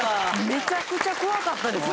めちゃくちゃ怖かったです。